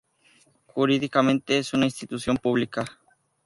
Jurídicamente es una institución pública.